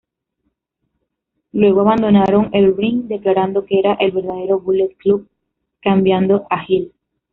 Luego abandonaron el ring declarando que eran el verdadero Bullet Club, cambiando a heel.